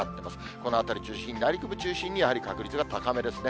この辺り中心に、内陸部中心にやはり確率が高めですね。